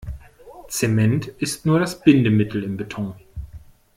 Zement ist nur das Bindemittel im Beton.